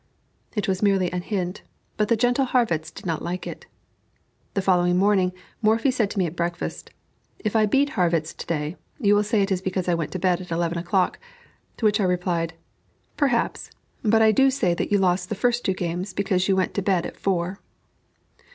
It was merely a hint, but the gentle Harrwitz did not like it. The following morning, Morphy said to me at breakfast, "If I beat Harrwitz to day, you will say it is because I went to bed at eleven o'clock;" to which I replied, "Perhaps; but I do say that you lost the first two games because you went to bed at four."